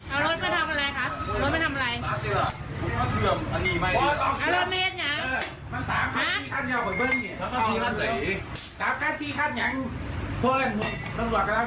เอารถมาทำอะไรคะรถมาทำอะไร